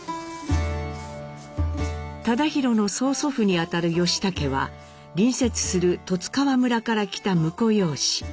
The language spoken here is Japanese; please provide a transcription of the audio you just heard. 忠宏の曽祖父にあたる義武は隣接する十津川村から来た婿養子。